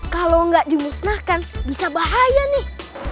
kalau nggak dimusnahkan bisa bahaya nih